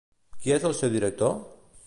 Qui és el seu director?